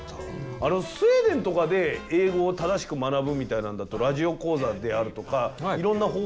あのスウェーデンとかで英語を正しく学ぶみたいなのだとラジオ講座であるとかいろんな方法があると思うんですが。